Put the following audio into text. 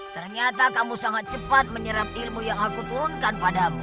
ternyata kamu sangat cepat menyerap ilmu yang aku turunkan padamu